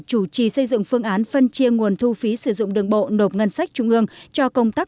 chủ trì xây dựng phương án phân chia nguồn thu phí sử dụng đường bộ nộp ngân sách trung ương cho công tác